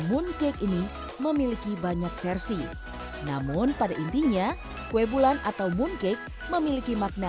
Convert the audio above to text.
mooncake ini memiliki banyak versi namun pada intinya kue bulan atau mooncake memiliki makna